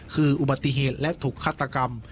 คืออุบัติเหตุและถูกฆาตกรรม